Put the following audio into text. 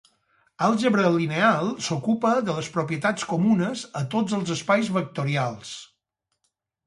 Àlgebra lineal s'ocupa de les propietats comunes a tots els espais vectorials.